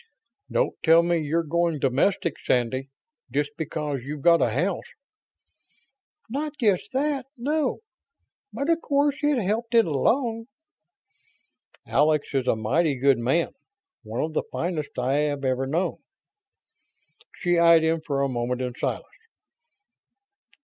Don't tell me you're going domestic, Sandy, just because you've got a house?" "Not just that, no. But of course it helped it along." "Alex is a mighty good man. One of the finest I have ever known." She eyed him for a moment in silence.